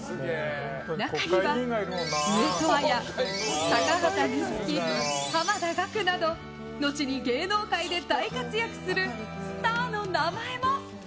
中には上戸彩高畑充希、濱田岳など後に芸能界で大活躍するスターの名前も。